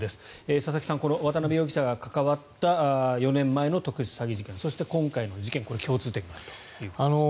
佐々木さん、この渡邉容疑者が関わった４年前の特殊詐欺事件そして、今回の事件共通点があるということですね。